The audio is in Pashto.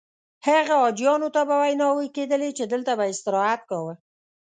هغه حاجیانو ته به ویناوې کېدلې چې دلته به یې استراحت کاوه.